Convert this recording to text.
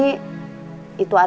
itu artinya dia bukan jauh